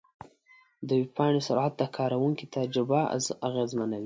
د ویب پاڼې سرعت د کارونکي تجربه اغېزمنوي.